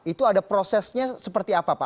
itu ada prosesnya seperti apa pak